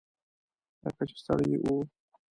لکه چې ستړي وو.